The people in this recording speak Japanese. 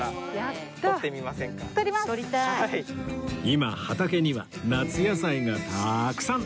今畑には夏野菜がたくさん！